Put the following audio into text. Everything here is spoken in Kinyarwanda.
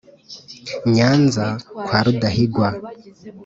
nyanza kwa rudahigwa".